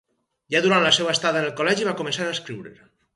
Ja durant la seva estada en el col·legi va començar a escriure.